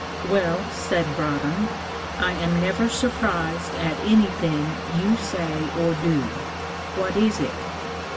"Well," said Broadhem, "I am never surprised at anything you say or do; what is it?"